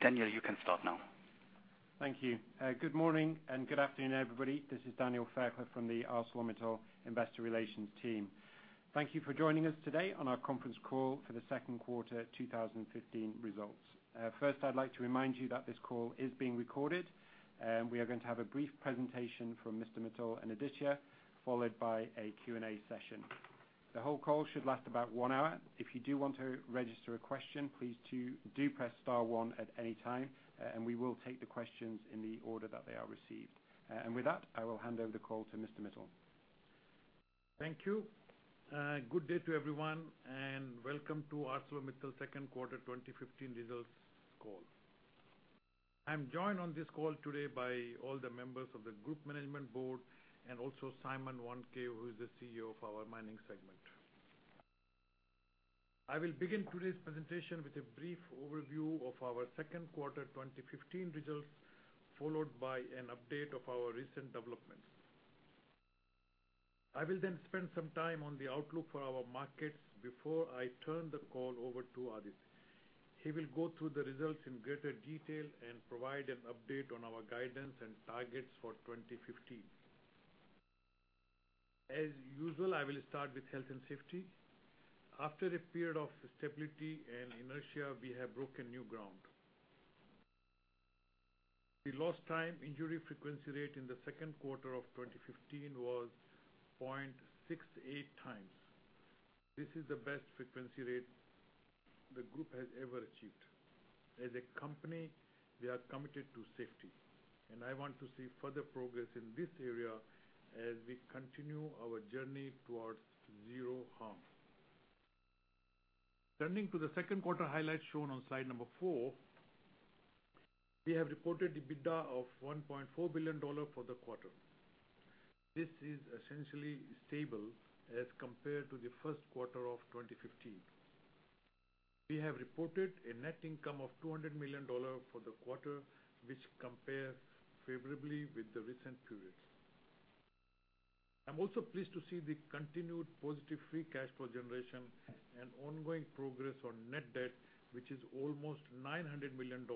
Daniel, you can start now. Thank you. Good morning and good afternoon, everybody. This is Daniel Fairclough from the ArcelorMittal Investor Relations team. Thank you for joining us today on our conference call for the second quarter 2015 results. First, I'd like to remind you that this call is being recorded, and we are going to have a brief presentation from Mr. Mittal and Aditya, followed by a Q&A session. The whole call should last about one hour. If you do want to register a question, please do press star one at any time, and we will take the questions in the order that they are received. With that, I will hand over the call to Mr. Mittal. Thank you. Good day to everyone, welcome to ArcelorMittal second quarter 2015 results call. I'm joined on this call today by all the members of the Group Management Board and also Simon Wandke, who is the CEO of our Mining segment. I will begin today's presentation with a brief overview of our second quarter 2015 results, followed by an update of our recent developments. I will spend some time on the outlook for our markets before I turn the call over to Aditya. He will go through the results in greater detail and provide an update on our guidance and targets for 2015. As usual, I will start with health and safety. After a period of stability and inertia, we have broken new ground. The lost time injury frequency rate in the second quarter of 2015 was 0.68 times. This is the best frequency rate the group has ever achieved. As a company, we are committed to safety, and I want to see further progress in this area as we continue our journey towards zero harm. Turning to the second quarter highlights shown on slide number four, we have reported the EBITDA of $1.4 billion for the quarter. This is essentially stable as compared to the first quarter of 2015. We have reported a net income of $200 million for the quarter, which compares favorably with the recent periods. I'm also pleased to see the continued positive free cash flow generation and ongoing progress on net debt, which is almost $900 million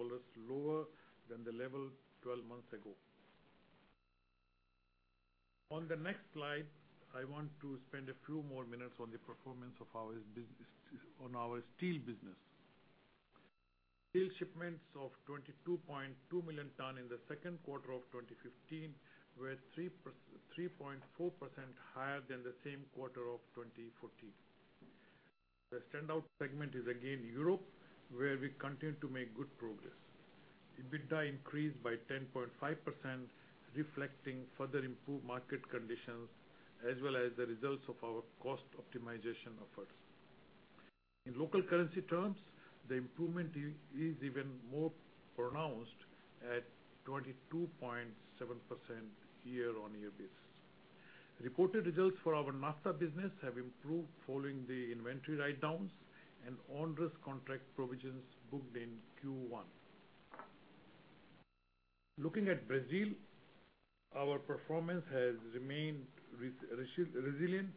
lower than the level 12 months ago. On the next slide, I want to spend a few more minutes on the performance on our steel business. Steel shipments of 22.2 million ton in the second quarter of 2015 were 3.4% higher than the same quarter of 2014. The standout segment is again Europe, where we continue to make good progress. EBITDA increased by 10.5%, reflecting further improved market conditions as well as the results of our cost optimization efforts. In local currency terms, the improvement is even more pronounced at 22.7% year-on-year basis. Reported results for our NAFTA business have improved following the inventory write-downs and onerous contract provisions booked in Q1. Looking at Brazil, our performance has remained resilient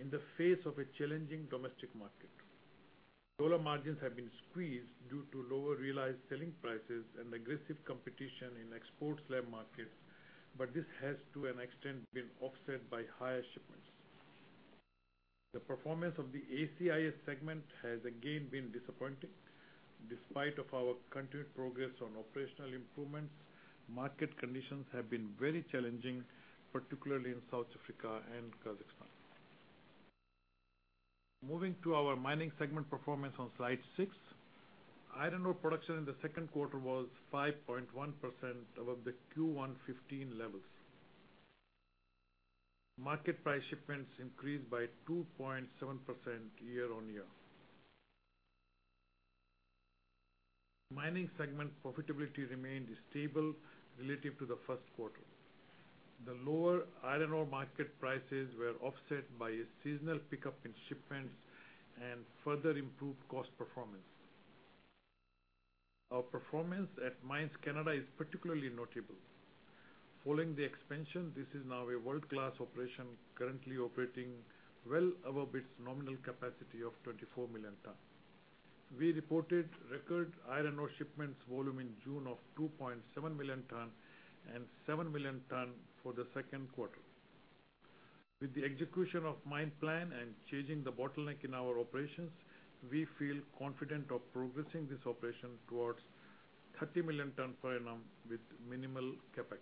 in the face of a challenging domestic market. Slab margins have been squeezed due to lower realized selling prices and aggressive competition in export slab markets, but this has to an extent been offset by higher shipments. The performance of the ACIS segment has again been disappointing. Despite of our continued progress on operational improvements, market conditions have been very challenging, particularly in South Africa and Kazakhstan. Moving to our mining segment performance on slide six. Iron ore production in the second quarter was 5.1% above the Q1 2015 levels. Market price shipments increased by 2.7% year-on-year. Mining segment profitability remained stable relative to the first quarter. The lower iron ore market prices were offset by a seasonal pickup in shipments and further improved cost performance. Our performance at Mines Canada is particularly notable. Following the expansion, this is now a world-class operation currently operating well above its nominal capacity of 24 million tons. We reported record iron ore shipments volume in June of 2.7 million tons and 7 million tons for the second quarter. With the execution of mine plan and changing the bottleneck in our operations, we feel confident of progressing this operation towards 30 million tons per annum with minimal CapEx.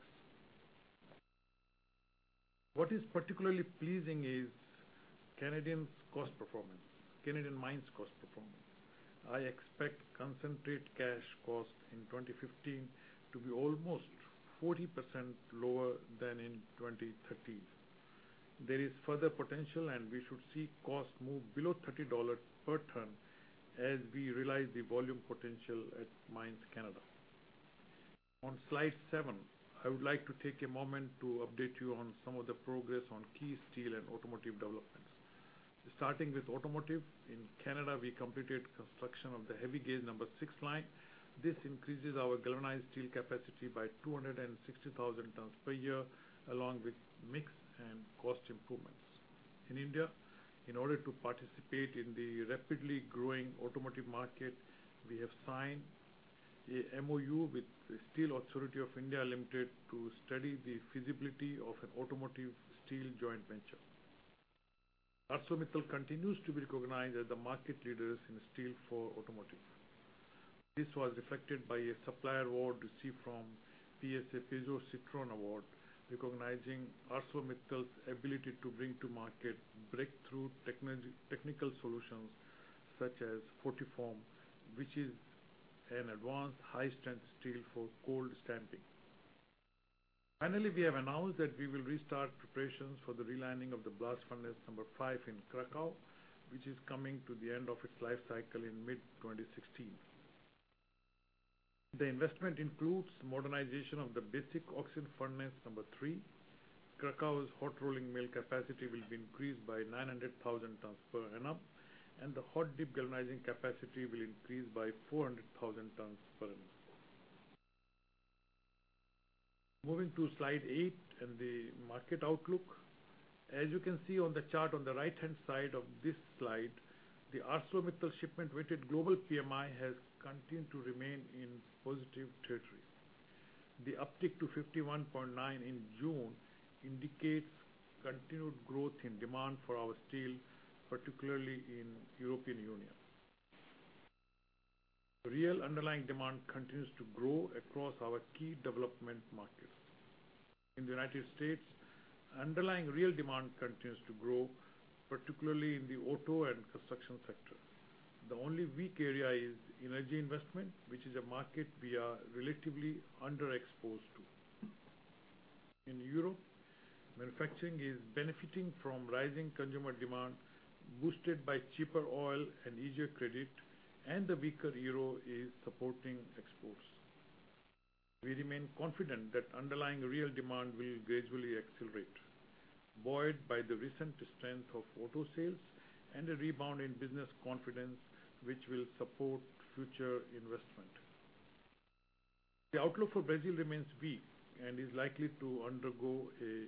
What is particularly pleasing is Canadian mines cost performance. I expect concentrate cash cost in 2015 to be almost 40% lower than in 2013. There is further potential, and we should see costs move below $30 per ton as we realize the volume potential at Mines Canada. On slide seven, I would like to take a moment to update you on some of the progress on key steel and automotive developments. Starting with automotive, in Canada, we completed construction of the heavy gauge number 6 line. This increases our galvanized steel capacity by 260,000 tons per year, along with mix and cost improvements. In India, in order to participate in the rapidly growing automotive market, we have signed a MoU with the Steel Authority of India Limited to study the feasibility of an automotive steel joint venture. ArcelorMittal continues to be recognized as the market leaders in steel for automotive. This was reflected by a supplier award received from PSA Peugeot Citroën Award, recognizing ArcelorMittal's ability to bring to market breakthrough technical solutions such as Fortiform, which is an advanced high-strength steel for cold stamping. Finally, we have announced that we will restart preparations for the relining of the blast furnace number 5 in Krakow, which is coming to the end of its life cycle in mid-2016. The investment includes modernization of the basic oxygen furnace number 3. Krakow's hot rolling mill capacity will be increased by 900,000 tons per annum, and the hot dip galvanizing capacity will increase by 400,000 tons per annum. Moving to Slide 8 and the market outlook. As you can see on the chart on the right-hand side of this slide, the ArcelorMittal shipment weighted global PMI has continued to remain in positive territory. The uptick to 51.9 in June indicates continued growth in demand for our steel, particularly in European Union. Real underlying demand continues to grow across our key development markets. In the U.S., underlying real demand continues to grow, particularly in the auto and construction sector. The only weak area is energy investment, which is a market we are relatively underexposed to. In Europe, manufacturing is benefiting from rising consumer demand, boosted by cheaper oil and easier credit, and the weaker euro is supporting exports. We remain confident that underlying real demand will gradually accelerate, buoyed by the recent strength of auto sales and a rebound in business confidence, which will support future investment. The outlook for Brazil remains weak and is likely to undergo a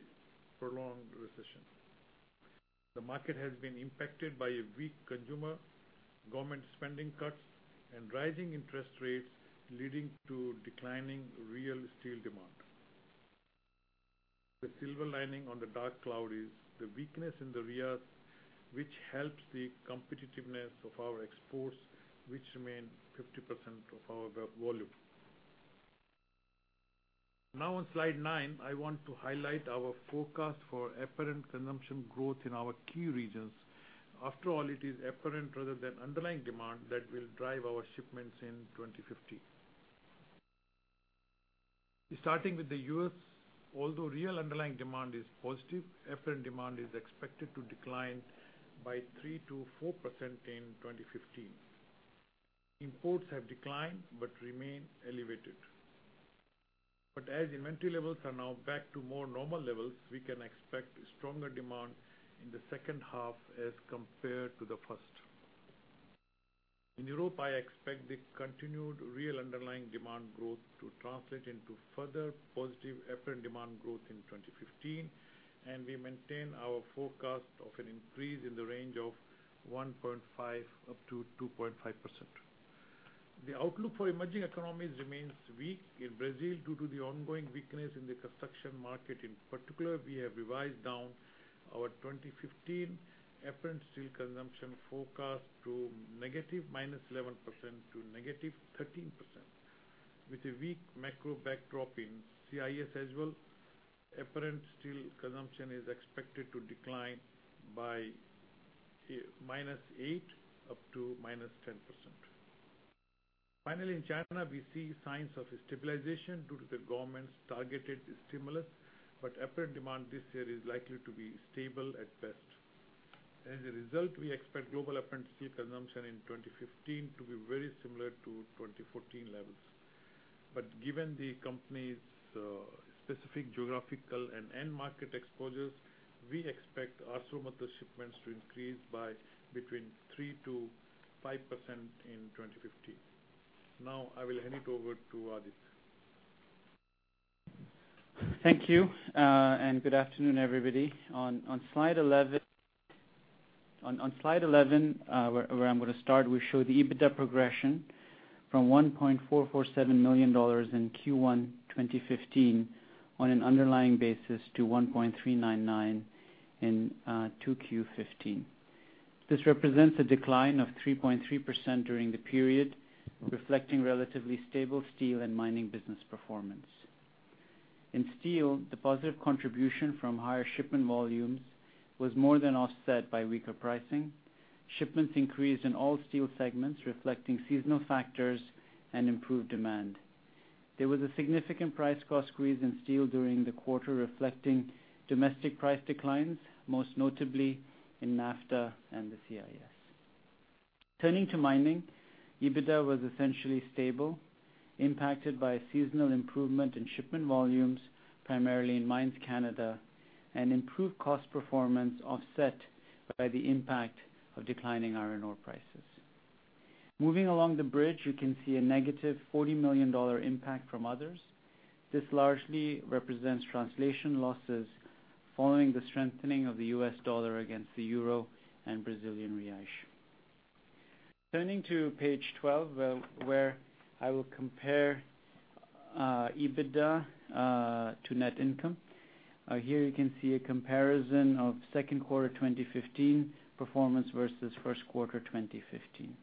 prolonged recession. The market has been impacted by a weak consumer, government spending cuts, and rising interest rates, leading to declining real steel demand. The silver lining on the dark cloud is the weakness in the real, which helps the competitiveness of our exports, which remain 50% of our volume. Now on Slide 9, I want to highlight our forecast for apparent consumption growth in our key regions. After all, it is apparent rather than underlying demand that will drive our shipments in 2015. Starting with the U.S., although real underlying demand is positive, apparent demand is expected to decline by 3%-4% in 2015. As inventory levels are now back to more normal levels, we can expect stronger demand in the second half as compared to the first. In Europe, I expect the continued real underlying demand growth to translate into further positive apparent demand growth in 2015, and we maintain our forecast of an increase in the range of 1.5% up to 2.5%. The outlook for emerging economies remains weak. In Brazil, due to the ongoing weakness in the construction market in particular, we have revised down our 2015 apparent steel consumption forecast to -11%--13%. With a weak macro backdrop in CIS as well, apparent steel consumption is expected to decline by -8% up to -10%. Finally, in China, we see signs of stabilization due to the government's targeted stimulus, but apparent demand this year is likely to be stable at best. As a result, we expect global apparent steel consumption in 2015 to be very similar to 2014 levels. Given the company's specific geographical and end market exposures, we expect ArcelorMittal shipments to increase by between 3% to 5% in 2015. Now I will hand it over to Aditya. Thank you, good afternoon, everybody. On Slide 11, where I'm going to start, we show the EBITDA progression from $1.447 million in Q1 2015 on an underlying basis to $1.399 million in 2Q15. This represents a decline of 3.3% during the period, reflecting relatively stable steel and mining business performance. In steel, the positive contribution from higher shipment volumes was more than offset by weaker pricing. Shipments increased in all steel segments, reflecting seasonal factors and improved demand. There was a significant price cost squeeze in steel during the quarter, reflecting domestic price declines, most notably in NAFTA and the CIS. Turning to mining, EBITDA was essentially stable, impacted by a seasonal improvement in shipment volumes, primarily in Mines Canada, and improved cost performance offset by the impact of declining iron ore prices. Moving along the bridge, you can see a negative $40 million impact from others. This largely represents translation losses following the strengthening of the US dollar against the euro and Brazilian real. Turning to page 12, where I will compare EBITDA to net income. Here you can see a comparison of second quarter 2015 performance versus first quarter 2015.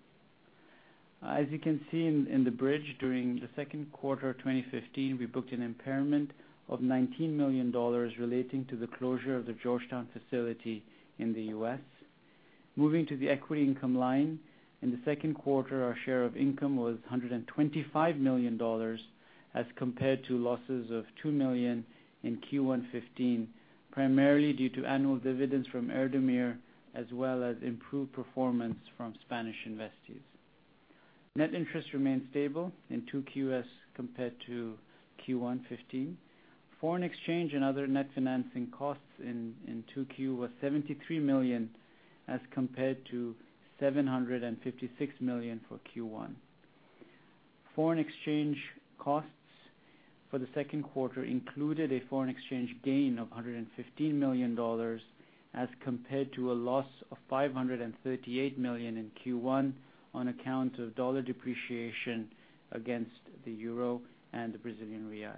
As you can see in the bridge, during the second quarter 2015, we booked an impairment of $19 million relating to the closure of the Georgetown facility in the U.S. Moving to the equity income line, in the second quarter, our share of income was $125 million as compared to losses of $2 million in Q1 '15, primarily due to annual dividends from Erdemir, as well as improved performance from Spanish investees. Net interest remained stable in 2Q as compared to Q1 '15. Foreign exchange and other net financing costs in 2Q was $73 million, as compared to $756 million for Q1. Foreign exchange costs for the second quarter included a foreign exchange gain of $115 million, as compared to a loss of $538 million in Q1 on account of dollar depreciation against the euro and the Brazilian real.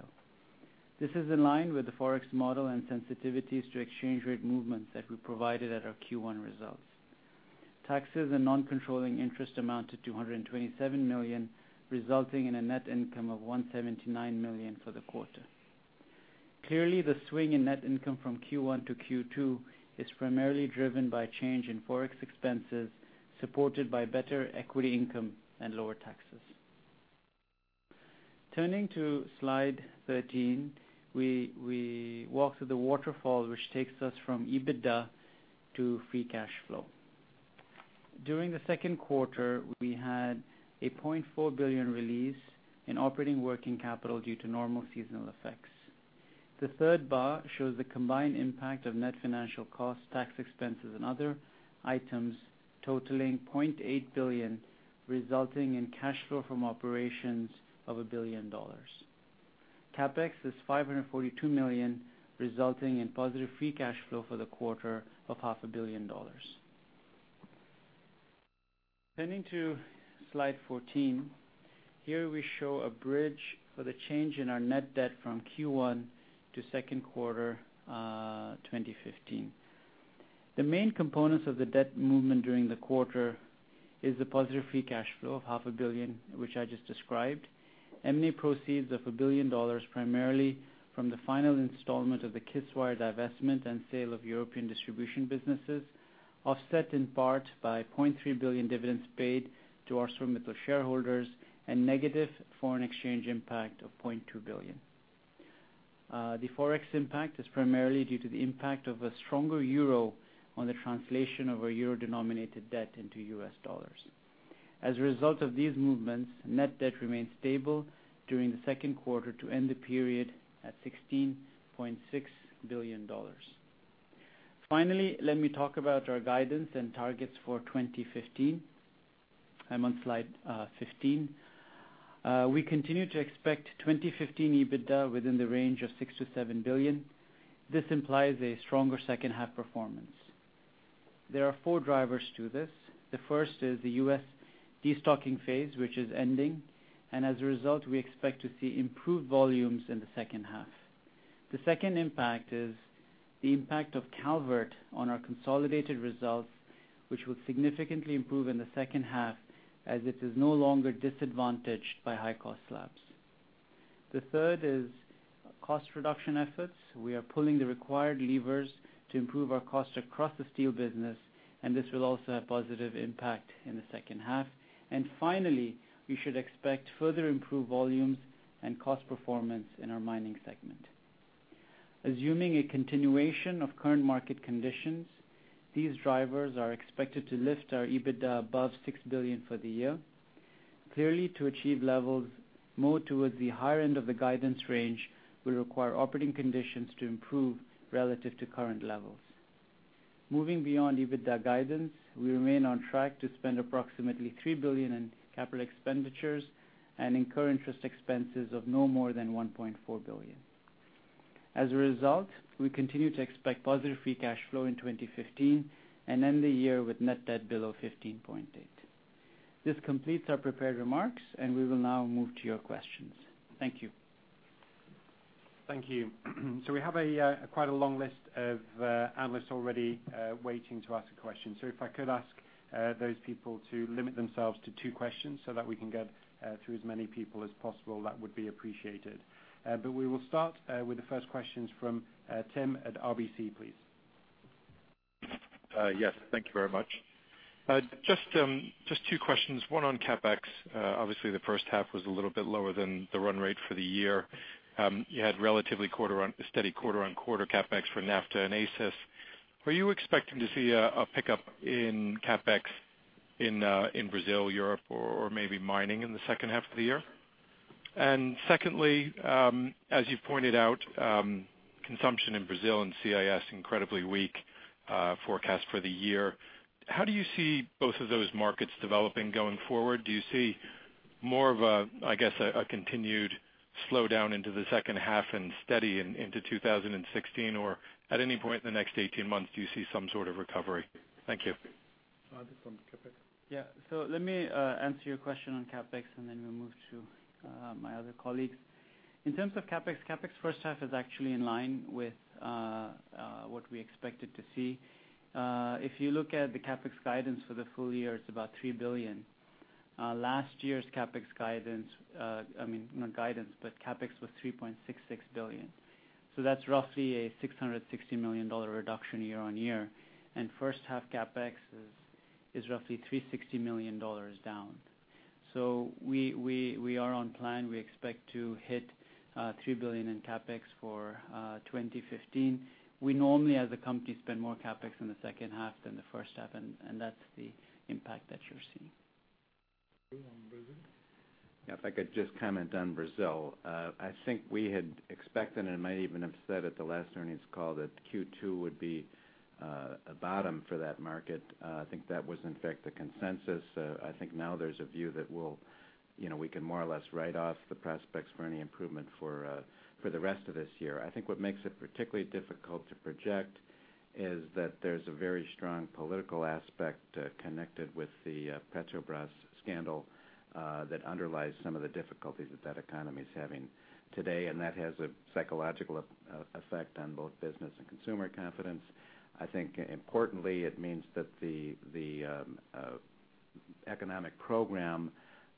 This is in line with the Forex model and sensitivities to exchange rate movements that we provided at our Q1 results. Taxes and non-controlling interest amount to $227 million, resulting in a net income of $179 million for the quarter. Clearly, the swing in net income from Q1 to Q2 is primarily driven by change in Forex expenses, supported by better equity income and lower taxes. Turning to slide 13, we walk through the waterfall, which takes us from EBITDA to free cash flow. During the second quarter, we had a $0.4 billion release in operating working capital due to normal seasonal effects. The third bar shows the combined impact of net financial cost, tax expenses, and other items totaling $0.8 billion, resulting in cash flow from operations of a billion dollars. CapEx is $542 million, resulting in positive free cash flow for the quarter of half a billion dollars. Turning to slide 14, here we show a bridge for the change in our net debt from Q1 to second quarter 2015. The main components of the debt movement during the quarter is the positive free cash flow of half a billion dollars, which I just described. M&A proceeds of a billion dollars, primarily from the final installment of the Kiswire divestment and sale of European distribution businesses, offset in part by $0.3 billion dividends paid to ArcelorMittal shareholders, and negative foreign exchange impact of $0.2 billion. The Forex impact is primarily due to the impact of a stronger euro on the translation of a euro-denominated debt into U.S. dollars. As a result of these movements, net debt remained stable during the second quarter to end the period at $16.6 billion. Finally, let me talk about our guidance and targets for 2015. I'm on slide 15. We continue to expect 2015 EBITDA within the range of $6 billion-$7 billion. This implies a stronger second half performance. There are four drivers to this. The first is the U.S. de-stocking phase, which is ending, and as a result, we expect to see improved volumes in the second half. The second impact is the impact of Calvert on our consolidated results, which will significantly improve in the second half as it is no longer disadvantaged by high-cost slabs. The third is cost reduction efforts. We are pulling the required levers to improve our cost across the steel business, and this will also have positive impact in the second half. Finally, we should expect further improved volumes and cost performance in our mining segment. Assuming a continuation of current market conditions, these drivers are expected to lift our EBITDA above $6 billion for the year. Clearly, to achieve levels more towards the higher end of the guidance range will require operating conditions to improve relative to current levels. Moving beyond EBITDA guidance, we remain on track to spend approximately $3 billion in capital expenditures and incur interest expenses of no more than $1.4 billion. As a result, we continue to expect positive free cash flow in 2015 and end the year with net debt below $15.8 billion. This completes our prepared remarks, and we will now move to your questions. Thank you. Thank you. We have quite a long list of analysts already waiting to ask a question. If I could ask those people to limit themselves to two questions so that we can get through as many people as possible, that would be appreciated. We will start with the first questions from Tim at RBC, please. Yes. Thank you very much. Just two questions, one on CapEx. Obviously, the first half was a little bit lower than the run rate for the year. You had relatively steady quarter-on-quarter CapEx for NAFTA and ACIS. Were you expecting to see a pickup in CapEx in Brazil, Europe, or maybe mining in the second half of the year? Secondly, as you've pointed out, consumption in Brazil and CIS, incredibly weak forecast for the year. How do you see both of those markets developing going forward? Do you see more of a, I guess, a continued slowdown into the second half and steady into 2016, or at any point in the next 18 months, do you see some sort of recovery? Thank you. This one, CapEx. Let me answer your question on CapEx, and then we'll move to my other colleagues. In terms of CapEx first half is actually in line with what we expected to see. If you look at the CapEx guidance for the full year, it's about $3 billion. Last year's CapEx guidance, I mean, not guidance, but CapEx was $3.66 billion. That's roughly a $660 million reduction year-on-year. First half CapEx is roughly $360 million down. We are on plan. We expect to hit $3 billion in CapEx for 2015. We normally, as a company, spend more CapEx in the second half than the first half, and that's the impact that you're seeing. On Brazil. If I could just comment on Brazil. I think we had expected, and might even have said at the last earnings call, that Q2 would be a bottom for that market. I think that was in fact the consensus. I think now there's a view that we can more or less write off the prospects for any improvement for the rest of this year. I think what makes it particularly difficult to project is that there's a very strong political aspect connected with the Petrobras scandal, that underlies some of the difficulties that that economy's having today, and that has a psychological effect on both business and consumer confidence. I think importantly, it means that the economic program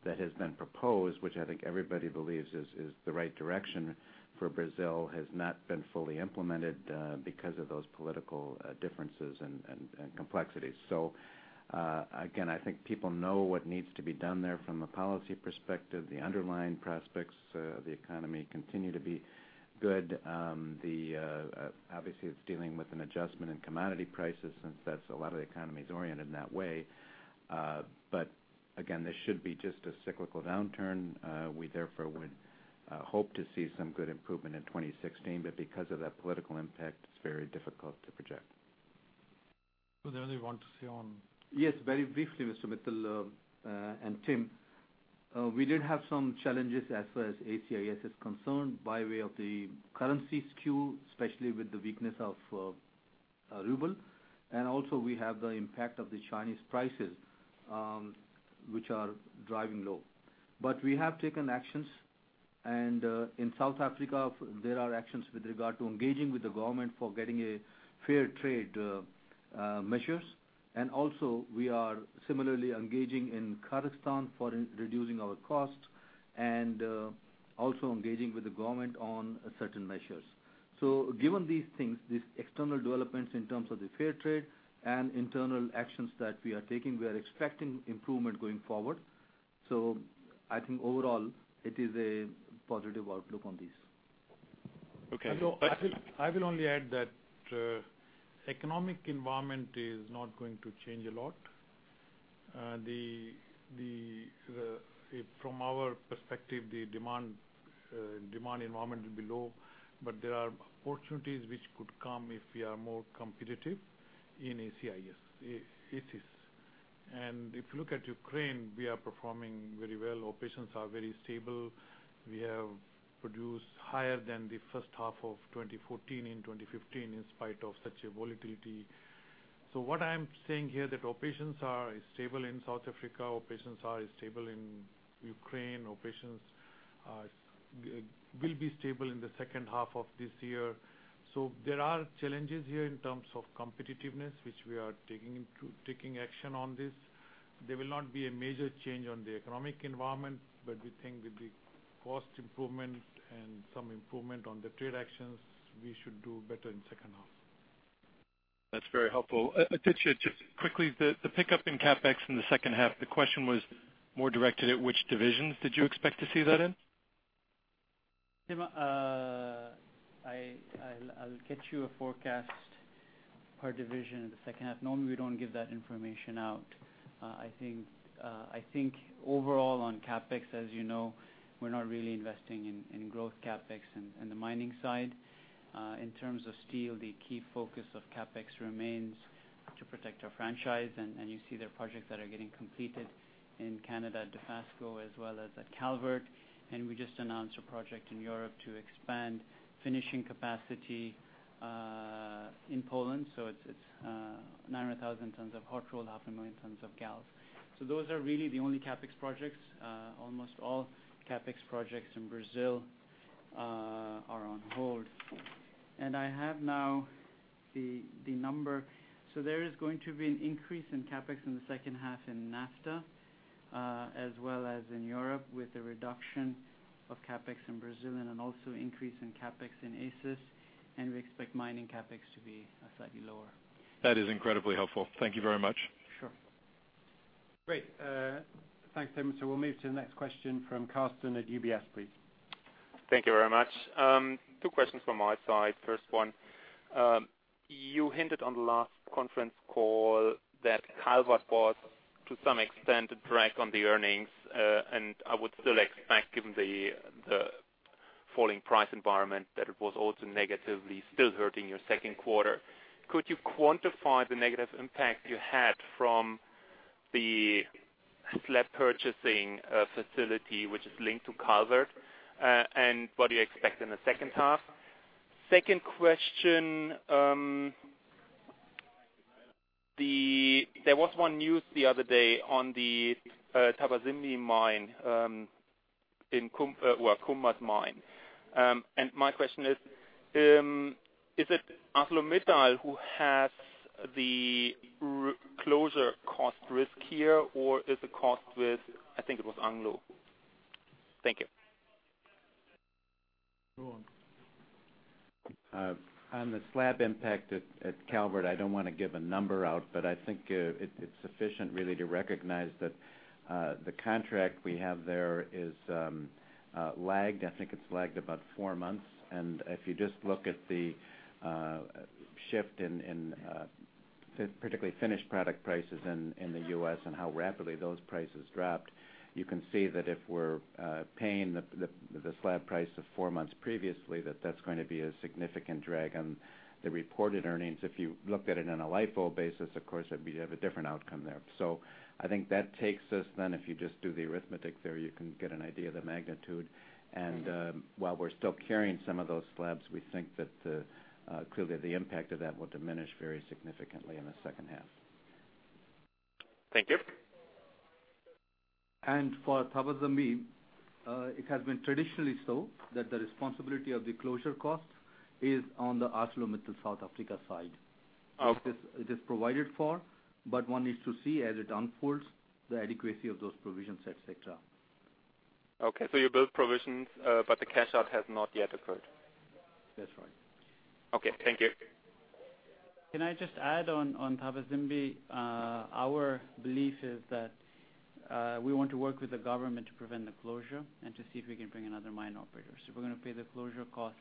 that has been proposed, which I think everybody believes is the right direction for Brazil, has not been fully implemented, because of those political differences and complexities. Again, I think people know what needs to be done there from a policy perspective. The underlying prospects of the economy continue to be good. Obviously, it's dealing with an adjustment in commodity prices since a lot of the economy's oriented in that way. Again, this should be just a cyclical downturn. We therefore would hope to see some good improvement in 2016, but because of that political impact, it's very difficult to project. Sudhir, you want to say? Yes, very briefly, Mr. Mittal, and Tim. We did have some challenges as far as ACIS is concerned by way of the currency skew, especially with the weakness of ruble. We have the impact of the Chinese prices, which are driving low. We have taken actions, and in South Africa, there are actions with regard to engaging with the government for getting fair trade measures. We are similarly engaging in Kazakhstan for reducing our costs and also engaging with the government on certain measures. Given these things, these external developments in terms of the fair trade and internal actions that we are taking, we are expecting improvement going forward. I think overall it is a positive outlook on this. Okay. I will only add that economic environment is not going to change a lot. From our perspective, the demand environment will be low, but there are opportunities which could come if we are more competitive in ACIS. If you look at Ukraine, we are performing very well. Operations are very stable. We have produced higher than the first half of 2014 in 2015, in spite of such a volatility. What I'm saying here, that operations are stable in South Africa, operations are stable in Ukraine, operations will be stable in the second half of this year. There are challenges here in terms of competitiveness, which we are taking action on this. There will not be a major change on the economic environment, but we think with the cost improvement and some improvement on the trade actions, we should do better in second half. That is very helpful. Aditya, just quickly, the pickup in CapEx in the second half, the question was more directed at which divisions did you expect to see that in? Tim, I will get you a forecast per division in the second half. Normally, we do not give that information out. I think overall on CapEx, as you know, we are not really investing in growth CapEx in the mining side. In terms of steel, the key focus of CapEx remains to protect our franchise, and you see there are projects that are getting completed in Canada at Dofasco, as well as at Calvert. We just announced a project in Europe to expand finishing capacity in Poland. It is 900,000 tons of hot roll, 400,000 tons of gal. Those are really the only CapEx projects. Almost all CapEx projects in Brazil are on hold. I have now the number. There is going to be an increase in CapEx in the second half in NAFTA, as well as in Europe, with a reduction of CapEx in Brazil and an also increase in CapEx in ACIS. We expect mining CapEx to be slightly lower. That is incredibly helpful. Thank you very much. Sure. Great. Thanks, Tim. We'll move to the next question from Carsten at UBS, please. Thank you very much. Two questions from my side. First one, you hinted on the last conference call that Calvert was, to some extent, a drag on the earnings. I would still expect, given the falling price environment, that it was also negatively still hurting your second quarter. Could you quantify the negative impact you had from the slab purchasing facility, which is linked to Calvert? What do you expect in the second half? Second question, there was one news the other day on the Thabazimbi mine, or Kumba's mine. My question is it ArcelorMittal who has the closure cost risk here, or is the cost with, I think it was Anglo? Thank you. Go on. On the slab impact at Calvert, I don't want to give a number out, but I think it's sufficient really to recognize that the contract we have there is lagged. I think it's lagged about four months. If you just look at the shift in particularly finished product prices in the U.S. and how rapidly those prices dropped, you can see that if we're paying the slab price of four months previously, that that's going to be a significant drag on the reported earnings. If you looked at it on a LIFO basis, of course, you'd have a different outcome there. I think that takes us then, if you just do the arithmetic there, you can get an idea of the magnitude. While we're still carrying some of those slabs, we think that clearly the impact of that will diminish very significantly in the second half. Thank you. For Thabazimbi, it has been traditionally so that the responsibility of the closure cost is on the ArcelorMittal South Africa side. Okay. It is provided for, but one needs to see as it unfolds, the adequacy of those provisions, et cetera. Okay. You build provisions, but the cash out has not yet occurred. That's right. Okay. Thank you. Can I just add on Thabazimbi, our belief is that we want to work with the government to prevent the closure and to see if we can bring another mine operator. If we're going to pay the closure cost,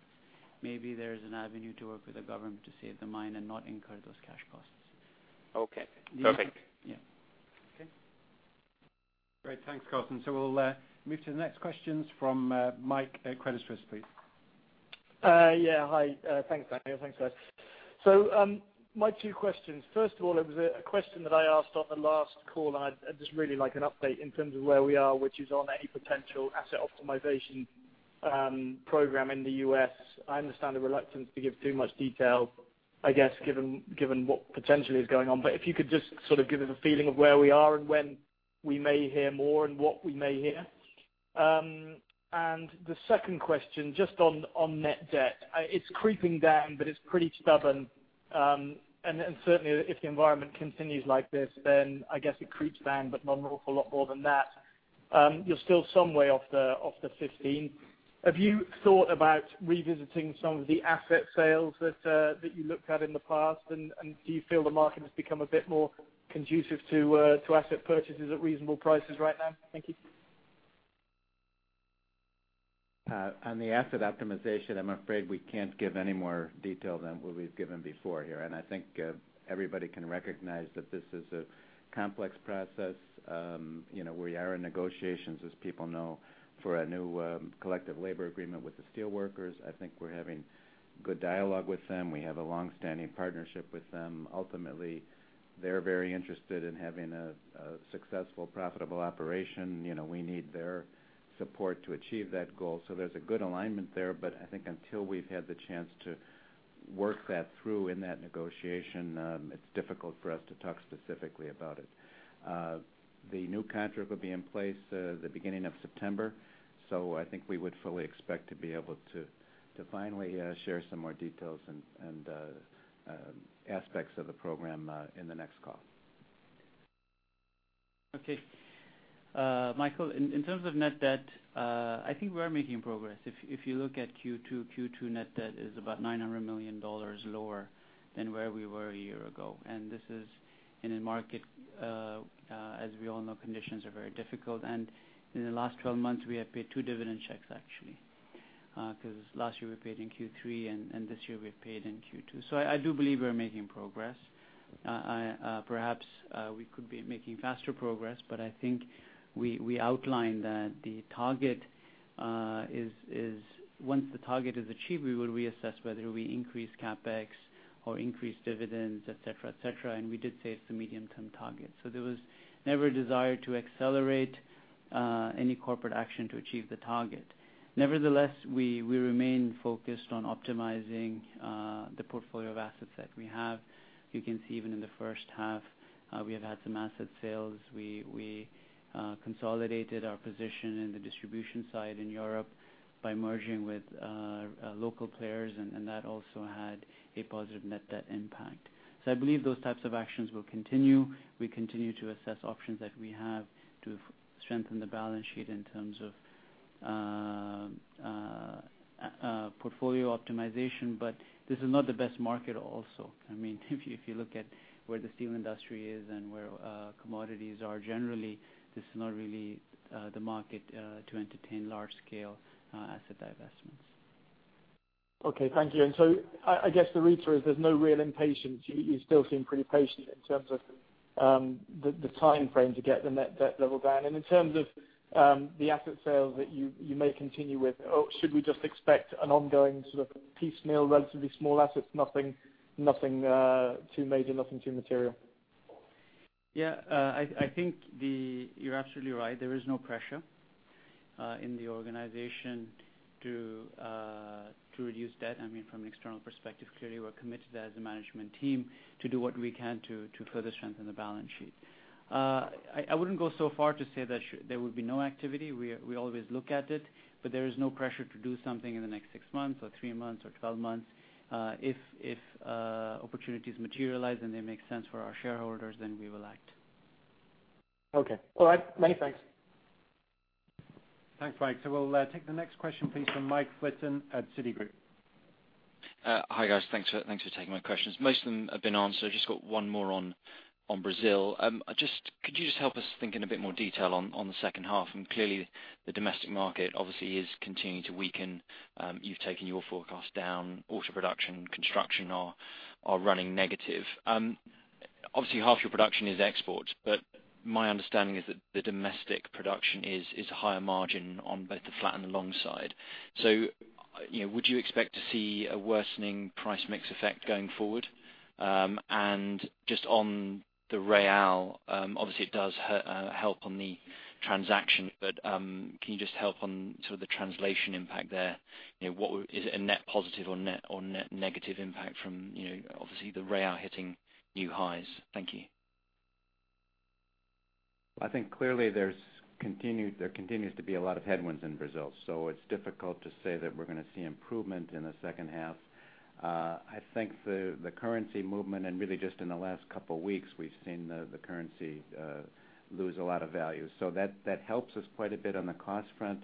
maybe there is an avenue to work with the government to save the mine and not incur those cash costs. Okay, perfect. Yeah. Okay. Great. Thanks, Carsten. We'll move to the next questions from Mike at Credit Suisse, please. Yeah. Hi. Thanks, Daniel. Thanks, guys. My two questions. First of all, it was a question that I asked on the last call, and I'd just really like an update in terms of where we are, which is on any potential asset optimization program in the U.S. I understand the reluctance to give too much detail, I guess, given what potentially is going on. If you could just sort of give us a feeling of where we are and when we may hear more and what we may hear. The second question, just on net debt. It's creeping down, but it's pretty stubborn. Certainly, if the environment continues like this, then I guess it creeps down, but not an awful lot more than that. You're still some way off the 15. Have you thought about revisiting some of the asset sales that you looked at in the past, and do you feel the market has become a bit more conducive to asset purchases at reasonable prices right now? Thank you. On the asset optimization, I'm afraid we can't give any more detail than what we've given before here. I think everybody can recognize that this is a complex process. We are in negotiations, as people know, for a new collective labor agreement with the steelworkers. I think we're having good dialogue with them. We have a long-standing partnership with them. Ultimately, they're very interested in having a successful, profitable operation. We need their support to achieve that goal. There's a good alignment there, but I think until we've had the chance to work that through in that negotiation, it's difficult for us to talk specifically about it. The new contract will be in place the beginning of September, so I think we would fully expect to be able to finally share some more details and aspects of the program in the next call. Michael, in terms of net debt, I think we are making progress. If you look at Q2 net debt is about $900 million lower than where we were a year ago. This is in a market, as we all know, conditions are very difficult. In the last 12 months, we have paid two dividend checks, actually. Because last year we paid in Q3, and this year we've paid in Q2. I do believe we're making progress. Perhaps we could be making faster progress, but I think we outlined that once the target is achieved, we will reassess whether we increase CapEx or increase dividends, et cetera. We did say it's a medium-term target. There was never a desire to accelerate any corporate action to achieve the target. Nevertheless, we remain focused on optimizing the portfolio of assets that we have. You can see even in the first half, we have had some asset sales. We consolidated our position in the distribution side in Europe by merging with local players, and that also had a positive net debt impact. I believe those types of actions will continue. We continue to assess options that we have to strengthen the balance sheet in terms of portfolio optimization, but this is not the best market also. If you look at where the steel industry is and where commodities are generally, this is not really the market to entertain large-scale asset divestments. Thank you. I guess the reader is there's no real impatience. You still seem pretty patient in terms of the timeframe to get the net debt level down. In terms of the asset sales that you may continue with, or should we just expect an ongoing sort of piecemeal, relatively small assets, nothing too major, nothing too material? I think you're absolutely right. There is no pressure in the organization to reduce debt. From an external perspective, clearly, we're committed as a management team to do what we can to further strengthen the balance sheet. I wouldn't go so far to say that there would be no activity. We always look at it, but there is no pressure to do something in the next six months or three months or 12 months. If opportunities materialize, they make sense for our shareholders, we will act. Okay. All right. Many thanks. Thanks, Mike. We'll take the next question, please, from Mike Flitton at Citigroup. Hi, guys. Thanks for taking my questions. Most of them have been answered. I've just got one more on Brazil. Could you just help us think in a bit more detail on the second half? Clearly, the domestic market obviously is continuing to weaken. You've taken your forecast down. Auto production, construction are running negative. Obviously, half your production is export, but my understanding is that the domestic production is a higher margin on both the flat and the long side. Would you expect to see a worsening price mix effect going forward? Just on the real, obviously, it does help on the transaction, but can you just help on sort of the translation impact there? Is it a net positive or net negative impact from, obviously, the real hitting new highs? Thank you. I think clearly there continues to be a lot of headwinds in Brazil, it's difficult to say that we're going to see improvement in the second half. I think the currency movement, really just in the last couple of weeks, we've seen the currency lose a lot of value. That helps us quite a bit on the cost front.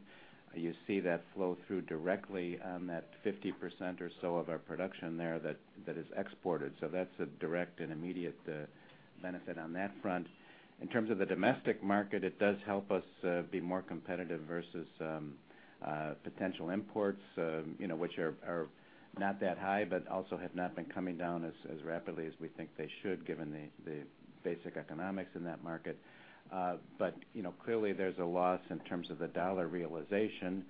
You see that flow through directly on that 50% or so of our production there that is exported. That's a direct and immediate benefit on that front. In terms of the domestic market, it does help us be more competitive versus potential imports, which are not that high, but also have not been coming down as rapidly as we think they should, given the basic economics in that market. Clearly, there's a loss in terms of the dollar realization.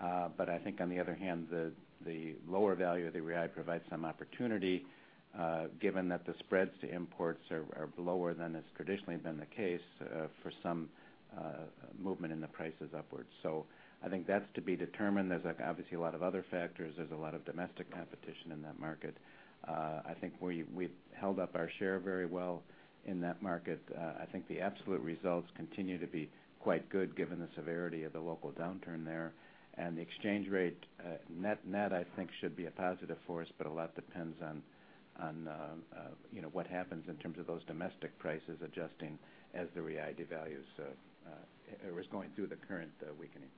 I think on the other hand, the lower value of the real provides some opportunity, given that the spreads to imports are lower than has traditionally been the case for some movement in the prices upwards. I think that's to be determined. There's obviously a lot of other factors. There's a lot of domestic competition in that market. I think we've held up our share very well in that market. I think the absolute results continue to be quite good given the severity of the local downturn there. The exchange rate net, I think, should be a positive for us, but a lot depends on what happens in terms of those domestic prices adjusting as the real devalues or is going through the current weakening.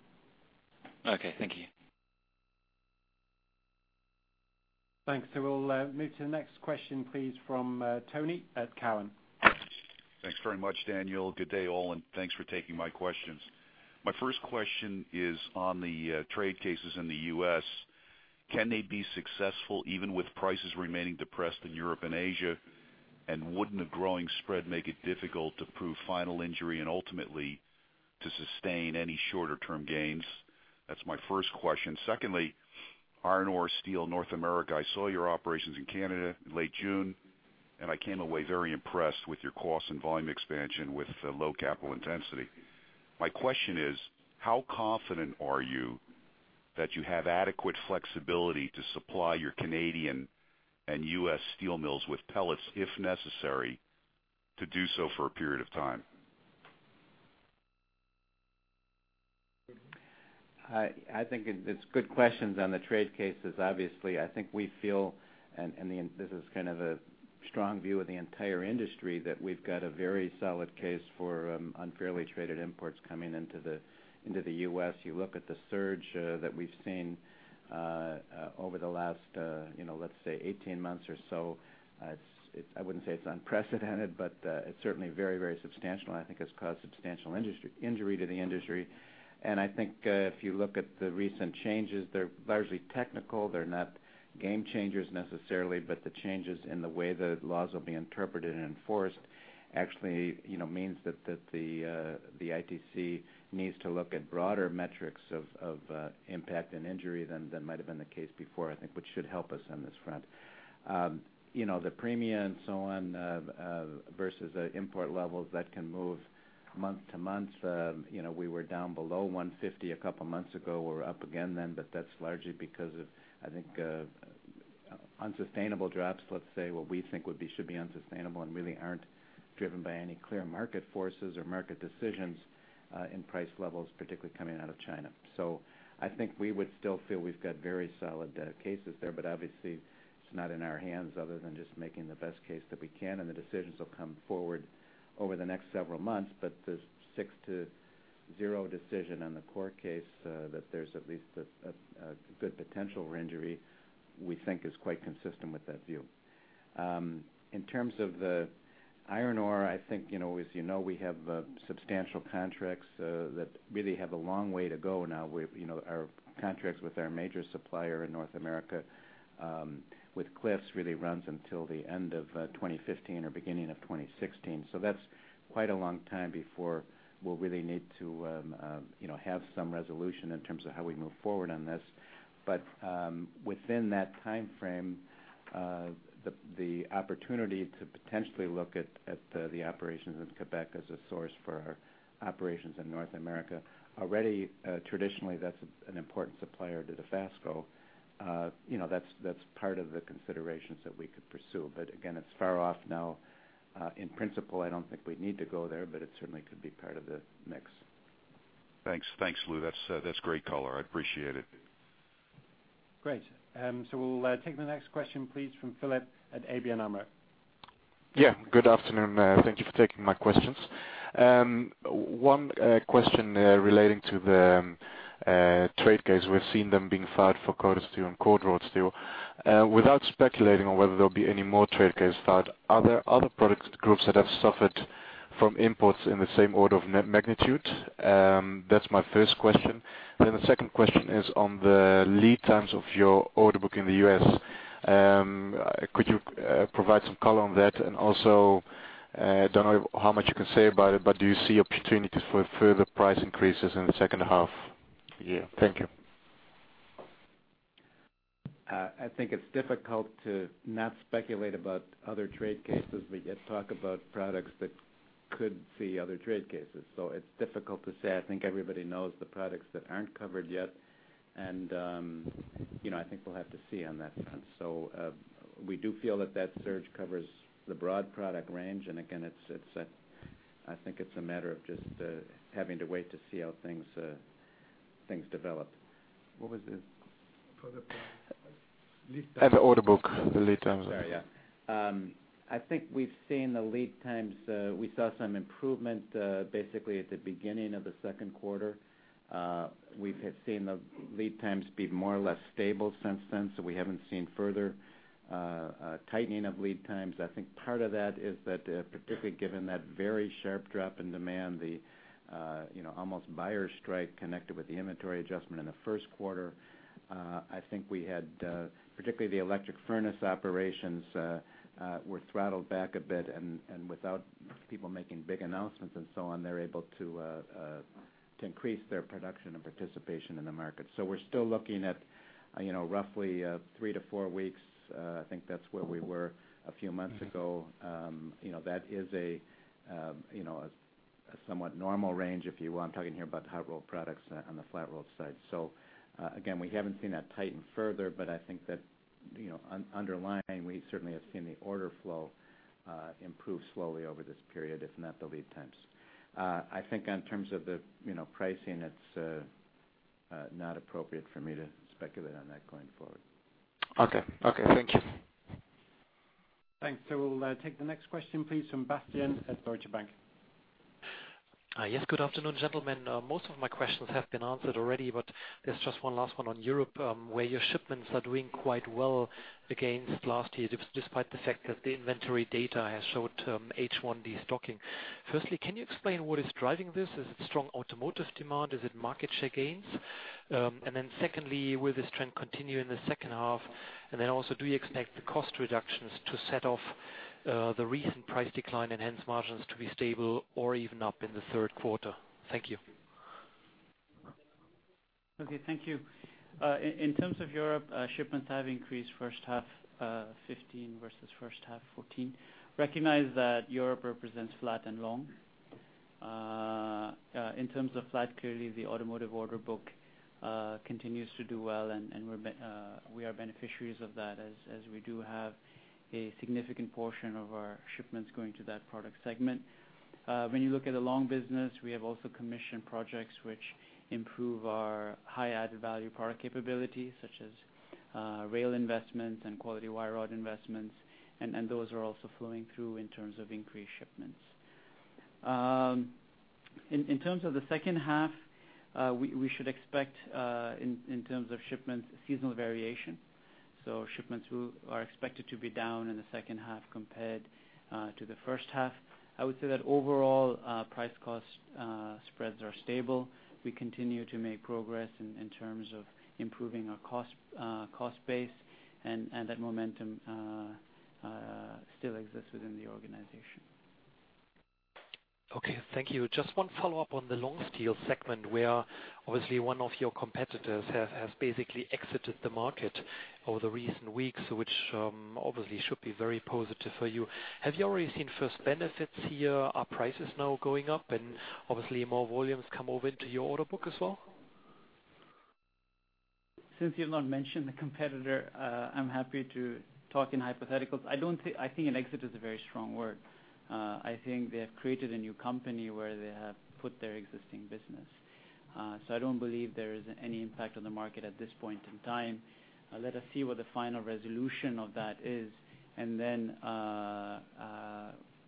Okay. Thank you. Thanks. We'll move to the next question, please, from Tony at Cowen. Thanks very much, Daniel. Good day all, and thanks for taking my questions. My first question is on the trade cases in the U.S. Can they be successful even with prices remaining depressed in Europe and Asia? Wouldn't a growing spread make it difficult to prove final injury and ultimately to sustain any shorter-term gains? That's my first question. Secondly, iron ore steel, North America. I saw your operations in Canada in late June, and I came away very impressed with your cost and volume expansion with low capital intensity. My question is, how confident are you that you have adequate flexibility to supply your Canadian and U.S. steel mills with pellets, if necessary, to do so for a period of time? I think it's good questions on the trade cases, obviously. I think we feel, and this is kind of a strong view of the entire industry, that we've got a very solid case for unfairly traded imports coming into the U.S. You look at the surge that we've seen over the last let's say 18 months or so. I wouldn't say it's unprecedented, but it's certainly very, very substantial, and I think has caused substantial injury to the industry. If you look at the recent changes, they're largely technical. They're not game changers necessarily, but the changes in the way the laws will be interpreted and enforced actually means that the ITC needs to look at broader metrics of impact and injury than might have been the case before, I think, which should help us on this front. The premium and so on versus the import levels, that can move month-to-month. We were down below 150 a couple of months ago. We're up again then, that's largely because of, I think, unsustainable drops, let's say, what we think should be unsustainable and really aren't driven by any clear market forces or market decisions in price levels, particularly coming out of China. I think we would still feel we've got very solid cases there, obviously, it's not in our hands other than just making the best case that we can, the decisions will come forward over the next several months. The six to zero decision on the core case, that there's at least a good potential for injury, we think is quite consistent with that view. In terms of the iron ore, I think, as you know, we have substantial contracts that really have a long way to go now. Our contracts with our major supplier in North America, with Cliffs, really runs until the end of 2015 or beginning of 2016. That's quite a long time before we'll really need to have some resolution in terms of how we move forward on this. Within that timeframe, the opportunity to potentially look at the operations in Quebec as a source for our operations in North America. Already, traditionally, that's an important supplier to Dofasco. That's part of the considerations that we could pursue. Again, it's far off now. In principle, I don't think we'd need to go there, it certainly could be part of the mix. Thanks, Lou. That's great color. I appreciate it. Great. We'll take the next question, please, from Philip at ABN AMRO. Yeah, good afternoon. Thank you for taking my questions. One question relating to the trade case. We've seen them being filed for coated steel and cold rolled steel. Without speculating on whether there'll be any more trade cases filed, are there other product groups that have suffered from imports in the same order of magnitude? That's my first question. The second question is on the lead times of your order book in the U.S. Could you provide some color on that? Also, don't know how much you can say about it, but do you see opportunities for further price increases in the second half year? Thank you. I think it's difficult to not speculate about other trade cases. We get talk about products that could see other trade cases, it's difficult to say. I think everybody knows the products that aren't covered yet. I think we'll have to see on that front. We do feel that surge covers the broad product range and again, I think it's a matter of just having to wait to see how things develop. What was the- For the lead time. Order book, the lead times. Sorry, yeah. I think we've seen the lead times, we saw some improvement basically at the beginning of the second quarter. We have seen the lead times be more or less stable since then, we haven't seen further tightening of lead times. I think part of that is that, particularly given that very sharp drop in demand, the almost buyer strike connected with the inventory adjustment in the first quarter. I think we had, particularly the electric furnace operations were throttled back a bit, and without people making big announcements and so on, they're able to increase their production and participation in the market. We're still looking at roughly three to four weeks. I think that's where we were a few months ago. That is a somewhat normal range, if you will. I'm talking here about the hot rolled products on the flat rolled side. Again, we haven't seen that tighten further, but I think that underlying, we certainly have seen the order flow improve slowly over this period, if not the lead times. I think in terms of the pricing, it's not appropriate for me to speculate on that going forward. Okay. Thank you. Thanks. We'll take the next question, please, from Bastian at Deutsche Bank. Yes, good afternoon, gentlemen. Most of my questions have been answered already, but there's just one last one on Europe, where your shipments are doing quite well against last year, despite the fact that the inventory data has showed H1 de-stocking. Firstly, can you explain what is driving this? Is it strong automotive demand? Is it market share gains? Secondly, will this trend continue in the second half? Also, do you expect the cost reductions to set off the recent price decline and hence margins to be stable or even up in the third quarter? Thank you. Okay, thank you. In terms of Europe, shipments have increased first half 2015 versus first half 2014. Recognize that Europe represents flat and long. In terms of flat, clearly the automotive order book continues to do well, and we are beneficiaries of that as we do have a significant portion of our shipments going to that product segment. When you look at the long business, we have also commissioned projects which improve our high added value product capabilities, such as rail investments and quality wire rod investments, and those are also flowing through in terms of increased shipments. In terms of the second half, we should expect, in terms of shipments, seasonal variation. Shipments are expected to be down in the second half compared to the first half. I would say that overall, price cost spreads are stable. We continue to make progress in terms of improving our cost base, and that momentum still exists within the organization. Okay, thank you. Just one follow-up on the long steel segment, where obviously one of your competitors has basically exited the market over the recent weeks, which obviously should be very positive for you. Have you already seen first benefits here? Are prices now going up and obviously more volumes come over into your order book as well? Since you've not mentioned the competitor, I'm happy to talk in hypotheticals. I think an exit is a very strong word. I think they have created a new company where they have put their existing business. I don't believe there is any impact on the market at this point in time. Let us see what the final resolution of that is, and then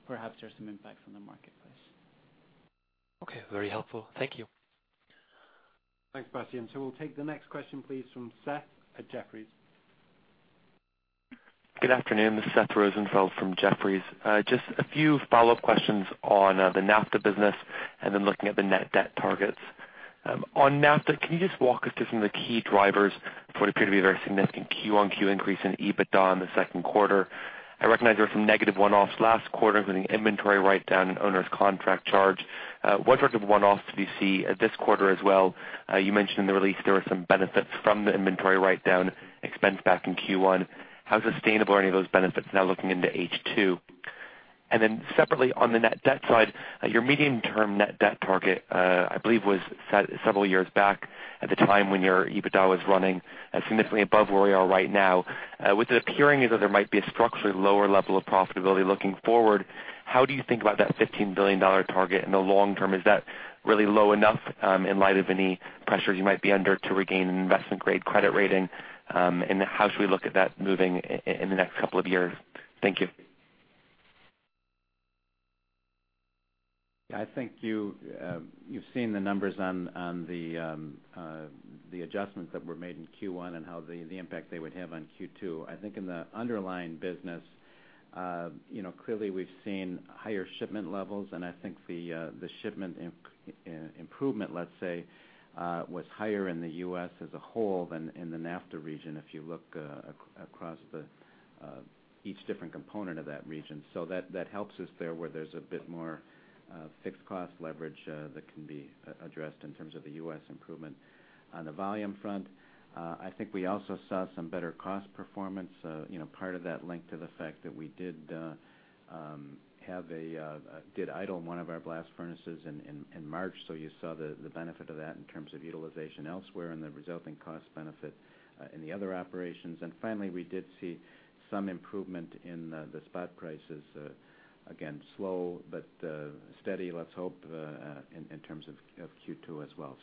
Perhaps there's some impact from the marketplace. Okay. Very helpful. Thank you. Thanks, Bastian. We'll take the next question, please, from Seth at Jefferies. Good afternoon. This is Seth Rosenfeld from Jefferies. Just a few follow-up questions on the NAFTA business and then looking at the net debt targets. On NAFTA, can you just walk us through some of the key drivers for what appear to be very significant Q-on-Q increase in EBITDA in the second quarter? I recognize there were some negative one-offs last quarter, including inventory write-down and onerous contract charge. What sort of one-offs do you see this quarter as well? You mentioned in the release there were some benefits from the inventory write-down expense back in Q1. How sustainable are any of those benefits now looking into H2? Separately on the net debt side, your medium-term net debt target, I believe was set several years back at the time when your EBITDA was running significantly above where we are right now. With it appearing as though there might be a structurally lower level of profitability looking forward, how do you think about that $15 billion target in the long term? Is that really low enough in light of any pressures you might be under to regain an investment-grade credit rating? How should we look at that moving in the next couple of years? Thank you. I think you've seen the numbers on the adjustments that were made in Q1 and the impact they would have on Q2. I think in the underlying business, clearly we've seen higher shipment levels, and I think the shipment improvement, let's say, was higher in the U.S. as a whole than in the NAFTA region if you look across each different component of that region. That helps us there, where there's a bit more fixed cost leverage that can be addressed in terms of the U.S. improvement. On the volume front, I think we also saw some better cost performance, part of that linked to the fact that we did idle one of our blast furnaces in March, you saw the benefit of that in terms of utilization elsewhere and the resulting cost benefit in the other operations. Finally, we did see some improvement in the spot prices. Again, slow but steady, let's hope, in terms of Q2 as well.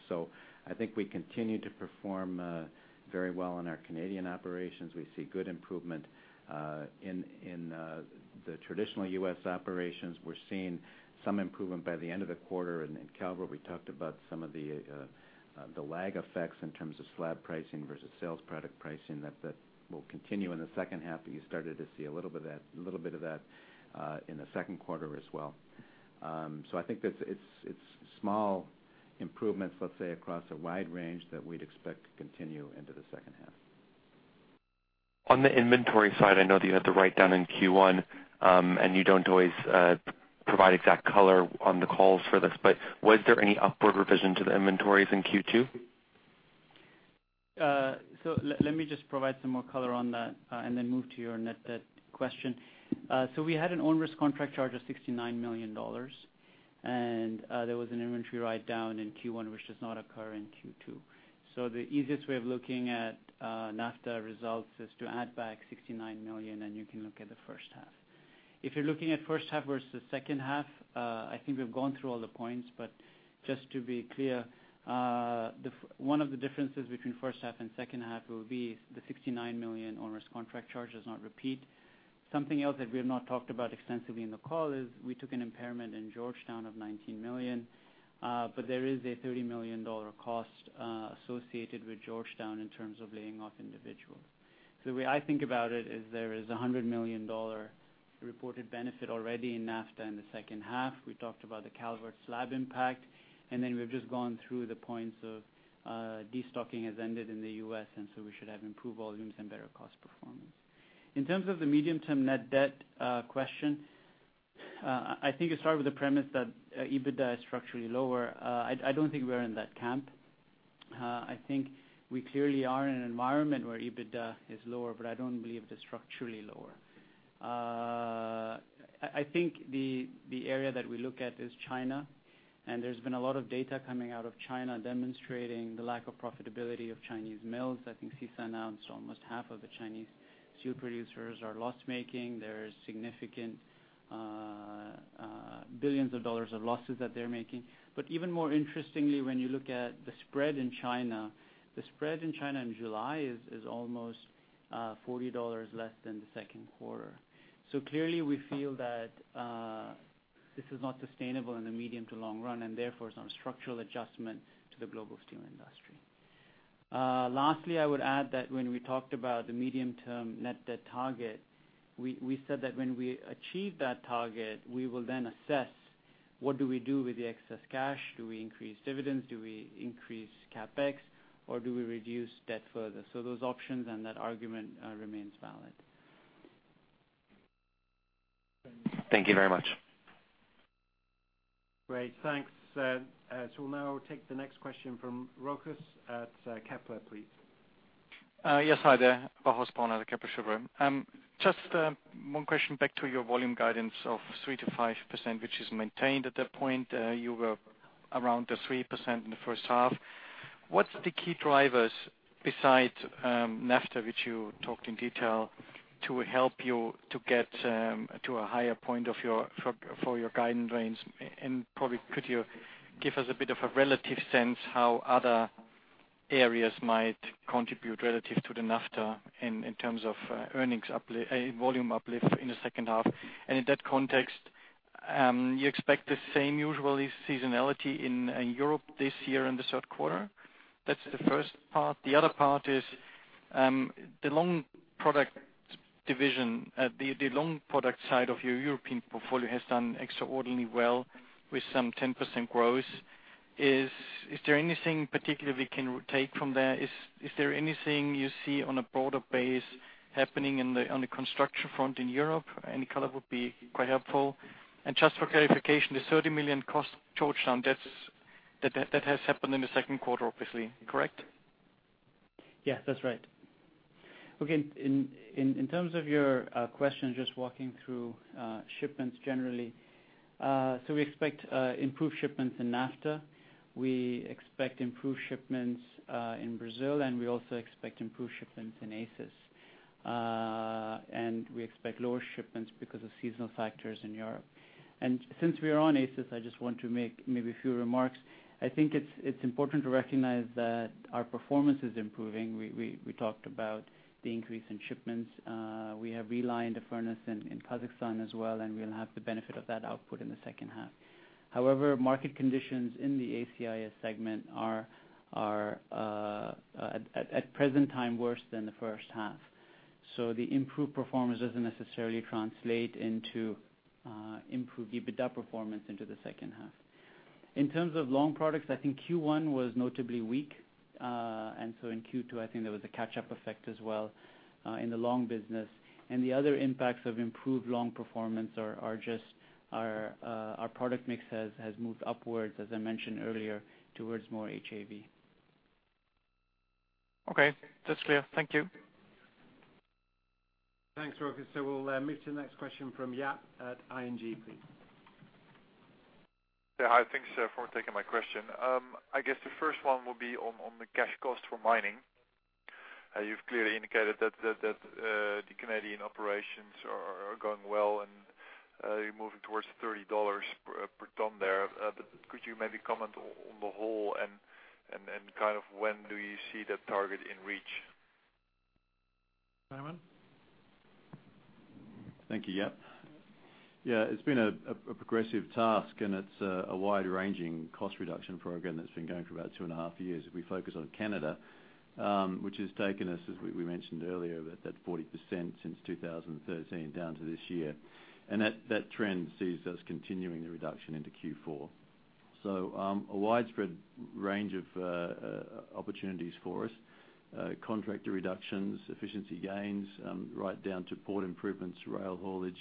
I think we continue to perform very well in our Canadian operations. We see good improvement in the traditional U.S. operations. We're seeing some improvement by the end of the quarter in Calvert. We talked about some of the lag effects in terms of slab pricing versus sales product pricing. That will continue in the second half, but you started to see a little bit of that in the second quarter as well. I think it's small improvements, let's say, across a wide range that we'd expect to continue into the second half. On the inventory side, I know that you had the write-down in Q1, and you don't always provide exact color on the calls for this, but was there any upward revision to the inventories in Q2? Let me just provide some more color on that, and then move to your net debt question. We had an own-risk contract charge of EUR 69 million, and there was an inventory write-down in Q1, which does not occur in Q2. The easiest way of looking at NAFTA results is to add back 69 million, and you can look at the first half. If you're looking at first half versus second half, I think we've gone through all the points, but just to be clear, one of the differences between first half and second half will be the 69 million own-risk contract charge does not repeat. Something else that we have not talked about extensively in the call is we took an impairment in Georgetown of 19 million. There is a EUR 30 million cost associated with Georgetown in terms of laying off individuals. The way I think about it is there is a EUR 100 million reported benefit already in NAFTA in the second half. We talked about the Calvert slab impact, we've just gone through the points of destocking has ended in the U.S., we should have improved volumes and better cost performance. In terms of the medium-term net debt question, I think you started with the premise that EBITDA is structurally lower. I don't think we're in that camp. I think we clearly are in an environment where EBITDA is lower, but I don't believe it is structurally lower. I think the area that we look at is China, and there's been a lot of data coming out of China demonstrating the lack of profitability of Chinese mills. I think CISA announced almost half of the Chinese steel producers are loss-making. Even more interestingly, when you look at the spread in China, the spread in China in July is almost $40 less than the second quarter. Clearly, we feel that this is not sustainable in the medium to long run, and therefore, some structural adjustment to the global steel industry. Lastly, I would add that when we talked about the medium-term net debt target, we said that when we achieve that target, we will then assess what do we do with the excess cash. Do we increase dividends? Do we increase CapEx, or do we reduce debt further? So those options and that argument remains valid. Thank you very much. Great. We'll now take the next question from Rochus at Kepler, please. Yes. Hi there. Rochus Brauneiser at Kepler Cheuvreux. Just one question back to your volume guidance of 3%-5%, which is maintained at that point. You were around the 3% in the first half. What's the key drivers besides NAFTA, which you talked in detail, to help you to get to a higher point for your guidance range? Probably could you give us a bit of a relative sense how other areas might contribute relative to the NAFTA in terms of volume uplift in the second half. In that context, you expect the same usual seasonality in Europe this year in the third quarter? That's the first part. The other part is the long product division. The long product side of your European portfolio has done extraordinarily well with some 10% growth. Is there anything particular we can take from there? Is there anything you see on a broader base happening on the construction front in Europe? Any color would be quite helpful. Just for clarification, the $30 million cost Georgetown, that has happened in the second quarter, obviously, correct? Yes, that's right. Okay. In terms of your question, just walking through shipments generally. We expect improved shipments in NAFTA. We expect improved shipments in Brazil, and we also expect improved shipments in ACIS. We expect lower shipments because of seasonal factors in Europe. Since we are on ACIS, I just want to make maybe a few remarks. I think it's important to recognize that our performance is improving. We talked about the increase in shipments. We have relined a furnace in Kazakhstan as well, and we'll have the benefit of that output in the second half. However, market conditions in the ACIS segment are at present time worse than the first half. The improved performance doesn't necessarily translate into improved EBITDA performance into the second half. In terms of long products, I think Q1 was notably weak. In Q2, I think there was a catch-up effect as well in the long business. The other impacts of improved long performance are just our product mix has moved upwards, as I mentioned earlier, towards more HAV. Okay. That's clear. Thank you. Thanks, Rochus. We'll move to the next question from Jaap at ING, please. Yeah. Hi. Thanks for taking my question. I guess the first one will be on the cash cost for mining. You've clearly indicated that the Canadian operations are going well and you're moving towards $30 per ton there. Could you maybe comment on the whole and kind of when do you see that target in reach? Simon? Thank you, Jaap. Yeah. It's been a progressive task, it's a wide-ranging cost reduction program that's been going for about two and a half years. If we focus on Canada, which has taken us, as we mentioned earlier, that 40% since 2013 down to this year. That trend sees us continuing the reduction into Q4. A widespread range of opportunities for us. Contractor reductions, efficiency gains, right down to port improvements, rail haulage.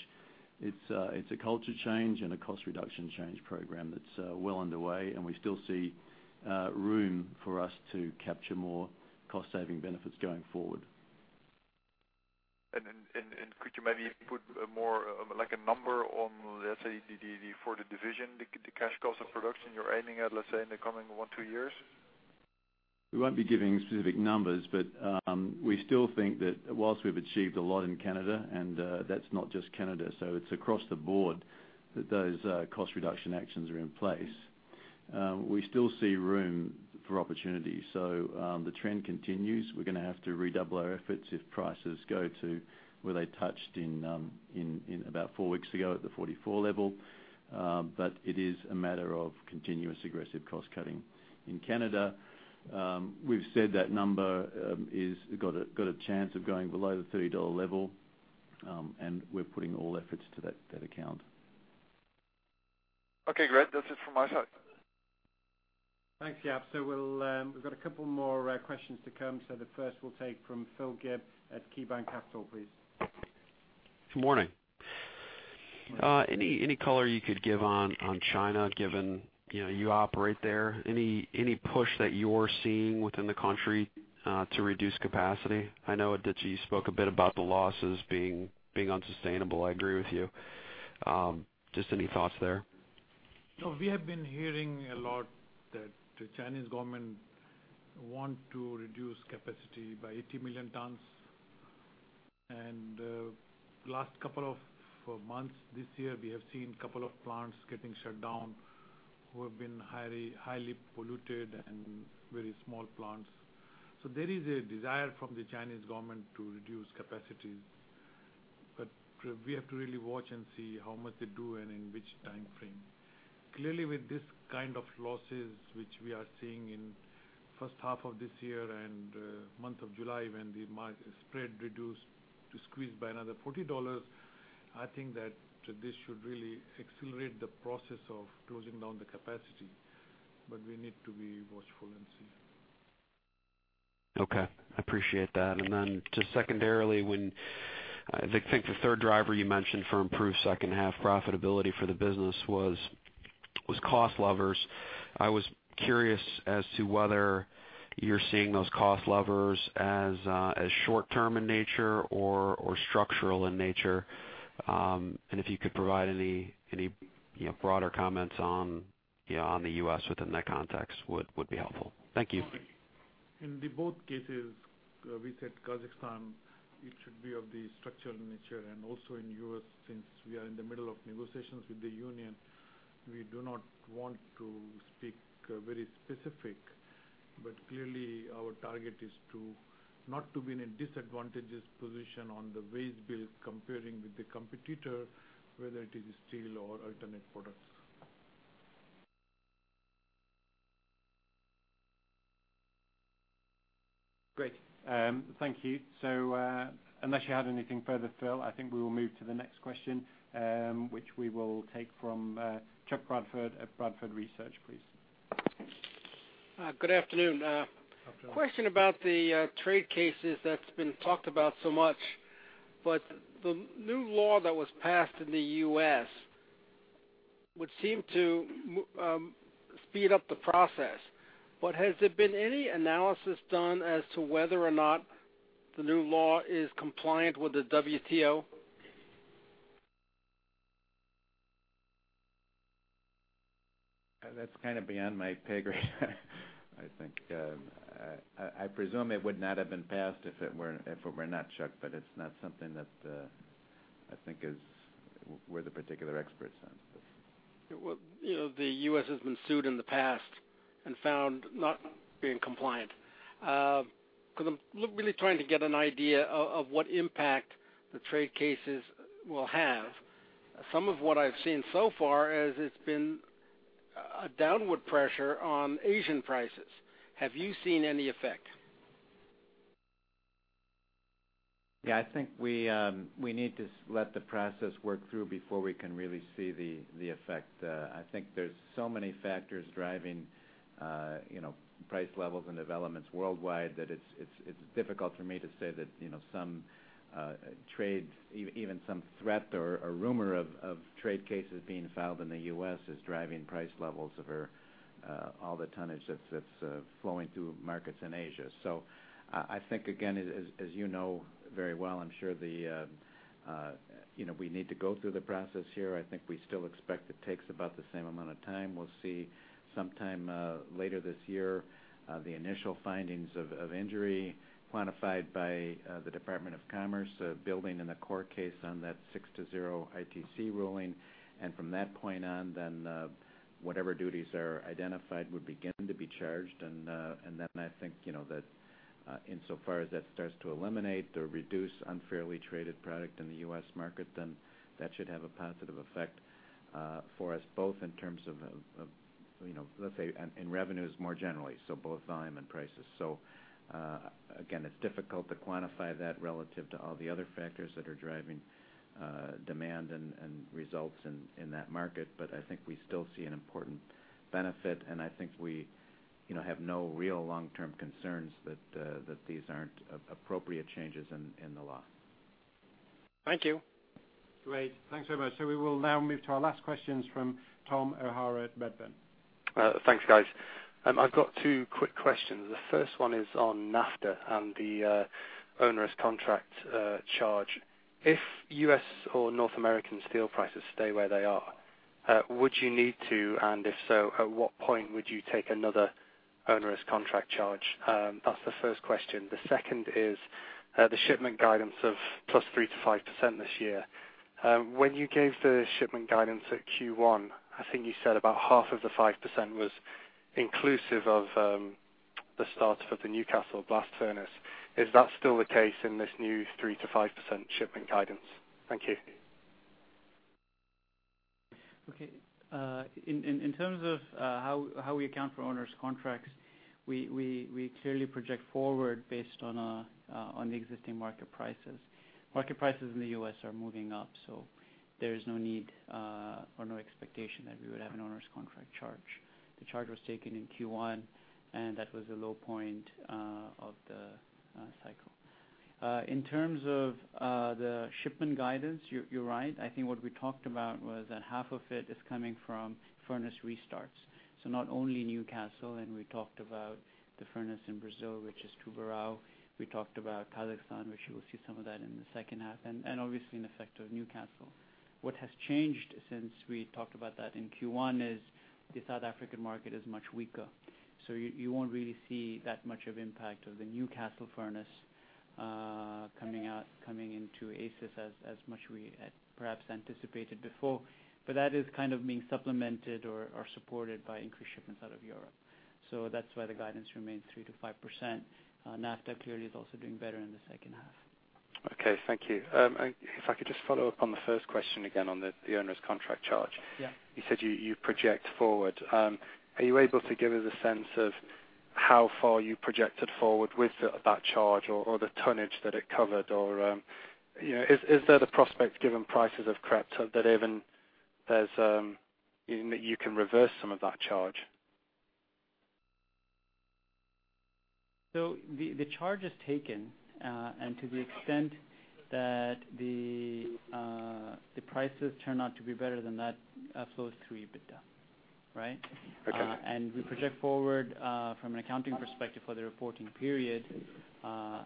It's a culture change and a cost reduction change program that's well underway, and we still see room for us to capture more cost-saving benefits going forward. Could you maybe put more of a number on, let's say, for the division, the cash cost of production you're aiming at, let's say, in the coming one, two years? We won't be giving specific numbers, but we still think that whilst we've achieved a lot in Canada, and that's not just Canada, so it's across the board that those cost reduction actions are in place. We still see room for opportunity. The trend continues. We're going to have to redouble our efforts if prices go to where they touched about four weeks ago at the 44 level. It is a matter of continuous aggressive cost-cutting. In Canada, we've said that number has got a chance of going below the $30 level, and we're putting all efforts to that account. Okay, great. That's it from my side. Thanks, Jaap. We've got a couple more questions to come. The first we'll take from Phil Gibbs at KeyBanc Capital, please. Good morning. Morning. Any color you could give on China, given you operate there. Any push that you're seeing within the country to reduce capacity? I know that you spoke a bit about the losses being unsustainable. I agree with you. Just any thoughts there? No, we have been hearing a lot that the Chinese government want to reduce capacity by 80 million tons. Last couple of months this year, we have seen a couple of plants getting shut down who have been highly polluted and very small plants. There is a desire from the Chinese government to reduce capacity, but we have to really watch and see how much they do and in which time frame. Clearly, with this kind of losses, which we are seeing in first half of this year and month of July, when the spread reduced to squeeze by another $40, I think that this should really accelerate the process of closing down the capacity. We need to be watchful and see. Okay. I appreciate that. Just secondarily, I think the third driver you mentioned for improved second half profitability for the business was cost levers. I was curious as to whether you're seeing those cost levers as short term in nature or structural in nature. If you could provide any broader comments on the U.S. within that context would be helpful. Thank you. In the both cases, we said Kazakhstan, it should be of the structural nature and also in U.S., since we are in the middle of negotiations with the union. We do not want to speak very specific, but clearly our target is not to be in a disadvantageous position on the wage bill comparing with the competitor, whether it is steel or alternate products. Great. Thank you. Unless you have anything further, Phil, I think we will move to the next question, which we will take from Chuck Bradford at Bradford Research, please. Good afternoon. Good afternoon. Question about the trade cases that's been talked about so much. The new law that was passed in the U.S. would seem to speed up the process. Has there been any analysis done as to whether or not the new law is compliant with the WTO? That's kind of beyond my pay grade I think. I presume it would not have been passed if it were not, Chuck, but it's not something that I think is where the particular expert is on. Well, the U.S. has been sued in the past and found not being compliant. I'm really trying to get an idea of what impact the trade cases will have. Some of what I've seen so far is it's been a downward pressure on Asian prices. Have you seen any effect? Yeah, I think we need to let the process work through before we can really see the effect. I think there's so many factors driving price levels and developments worldwide that it's difficult for me to say that some trades, even some threat or rumor of trade cases being filed in the U.S. is driving price levels of all the tonnage that's flowing through markets in Asia. I think, again, as you know very well, I'm sure we need to go through the process here. I think we still expect it takes about the same amount of time. We'll see sometime later this year, the initial findings of injury quantified by the Department of Commerce, building in a court case on that six to zero ITC ruling. From that point on, then whatever duties are identified would begin to be charged. Then I think, insofar as that starts to eliminate or reduce unfairly traded product in the U.S. market, then that should have a positive effect for us both in terms of, let's say, in revenues more generally, so both volume and prices. Again, it's difficult to quantify that relative to all the other factors that are driving demand and results in that market. I think we still see an important benefit, and I think we have no real long-term concerns that these aren't appropriate changes in the law. Thank you. Great. Thanks very much. We will now move to our last questions from Tom O'Hara at Redburn. Thanks, guys. I've got two quick questions. The first one is on NAFTA and the onerous contract charge. If U.S. or North American steel prices stay where they are, would you need to, and if so, at what point would you take another onerous contract charge? That's the first question. The second is the shipment guidance of +3% to 5% this year. When you gave the shipment guidance at Q1, I think you said about half of the 5% was inclusive of the start of the Newcastle blast furnace. Is that still the case in this new 3%-5% shipment guidance? Thank you. In terms of how we account for onerous contracts, we clearly project forward based on the existing market prices. Market prices in the U.S. are moving up, there is no need or no expectation that we would have an onerous contract charge. The charge was taken in Q1, and that was the low point of the cycle. In terms of the shipment guidance, you're right. I think what we talked about was that half of it is coming from furnace restarts. Not only Newcastle, and we talked about the furnace in Brazil, which is Tubarão. We talked about Kazakhstan, which you will see some of that in the second half, and obviously an effect of Newcastle. What has changed since we talked about that in Q1 is the South African market is much weaker. You won't really see that much of impact of the Newcastle furnace coming into ACIS as much we had perhaps anticipated before. That is kind of being supplemented or supported by increased shipments out of Europe. That's why the guidance remains 3%-5%. NAFTA clearly is also doing better in the second half. Okay, thank you. If I could just follow up on the first question again on the onerous contract charge. Yeah. You said you project forward. Are you able to give us a sense of how far you projected forward with that charge or the tonnage that it covered? Is there the prospect, given prices have crept, that even you can reverse some of that charge? The charge is taken, and to the extent that the prices turn out to be better than that flows through EBITDA, right? Okay. We project forward, from an accounting perspective for the reporting period,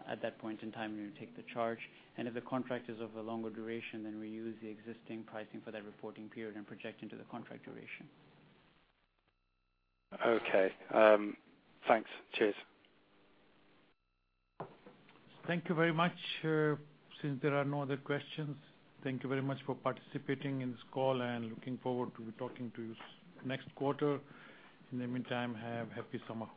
at that point in time, we would take the charge, and if the contract is of a longer duration, then we use the existing pricing for that reporting period and project into the contract duration. Okay. Thanks. Cheers. Thank you very much. Since there are no other questions, thank you very much for participating in this call, and looking forward to talking to you next quarter. In the meantime, have a happy summer.